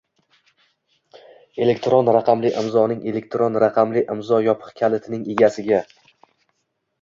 — elektron raqamli imzoning elektron raqamli imzo yopiq kalitining egasiga